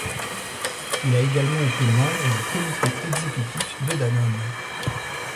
Il a également été membre du Comité exécutif de Danone.